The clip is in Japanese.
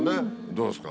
どうですか？